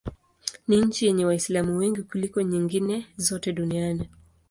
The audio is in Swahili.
Ni nchi yenye Waislamu wengi kuliko nyingine zote duniani.